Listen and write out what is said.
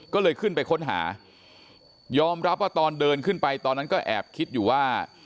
ก็เลยขึ้นไปค้นหายอมรับว่าตอนเดินขึ้นไปตอนนั้นก็แอบคิดอยู่ว่า